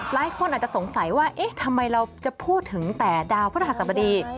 หลายคนอาจจะสงสัยว่าเอ๊ะทำไมเราจะพูดถึงแต่ดาวพระหัสบดี